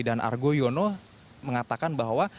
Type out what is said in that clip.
dan argo yono mengatakan bahwa